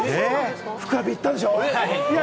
ふくらＰ、行ったんでしょ？